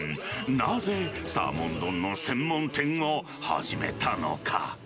なぜ、サーモン丼の専門店を始めたのか。